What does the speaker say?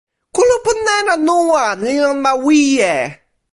kulupu nena Nuwan li lon ma Wije.